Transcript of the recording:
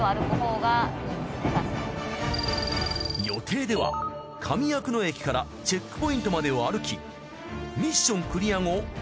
予定では上夜久野駅からチェックポイントまでを歩きミッションクリア後